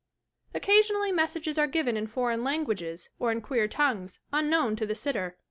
■ Occasionally messages are given in foreign languages or in queer tongues, unknown to the sitter.